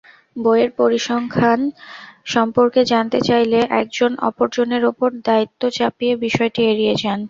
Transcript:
বইয়ের পরিসংখ্যান সম্পর্কে জানতে চাইলে একজন অপরজনের ওপর দায়িত্ব চাপিয়ে বিষয়টি এড়িয়ে যান।